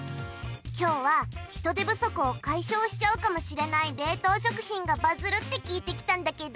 今日は人手不足を解消しちゃうかもしれない冷凍食品がバズるって聞いて来たんだけど